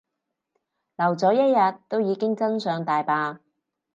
留咗一日都已經真相大白